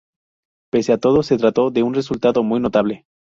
Pese a todo se trató de un resultado muy notable.